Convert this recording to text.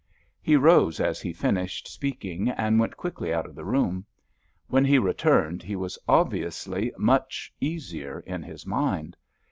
He rose as he finished speaking and went quickly out of the room. When he returned he was obviously much easier in his mind.